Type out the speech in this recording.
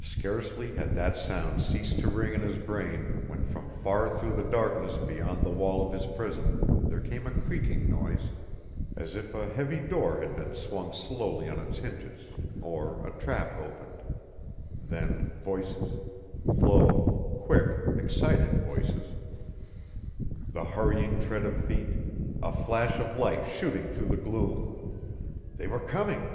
Scarcely had that sound ceased to ring in his brain when from far through the darkness beyond the wall of his prison there came a creaking noise, as if a heavy door had been swung slowly on its hinges, or a trap opened then voices, low, quick, excited voices, the hurrying tread of feet, a flash of light shooting through the gloom. They were coming!